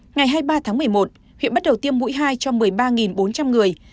ngày hai mươi ba tháng một mươi một huyện bắt đầu tiêm mũi hai cho một mươi ba bốn trăm linh người